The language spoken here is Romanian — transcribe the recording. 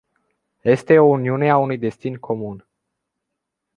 Este o uniune a unui destin comun.